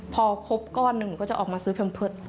พอครบก้อนหนึ่งหนูก็จะออกมาซื้อแพมเพิร์ต